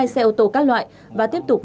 hai mươi hai xe ô tô các loại và tiếp tục